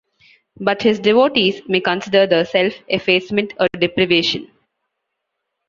But his devotees may consider the self-effacement a deprivation.